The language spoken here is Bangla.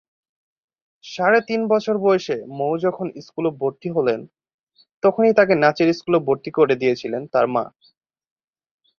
সাড়ে তিন বছর বয়সে মৌ যখন স্কুলে ভর্তি হলেন, তখনই তাকে নাচের স্কুলে ভর্তি করে দিয়েছিলেন তার মা।